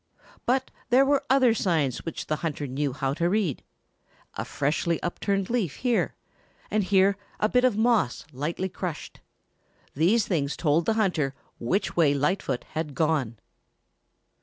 But there were other signs which the hunter knew how to read, a freshly upturned leaf here, and here, a bit of moss lightly crushed. These things told the hunter which way Lightfoot had gone.